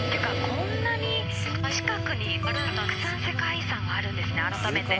こんなに近くにたくさん世界遺産があるんですねあらためて。